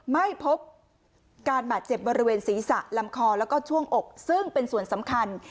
ไม่พบการบาดเจ็บบริเวณศีรษะลำคอแล้วก็ช่วงอกซึ่งเป็นส่วนสำคัญ